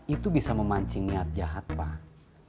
itu bisa memancing niat jahat pak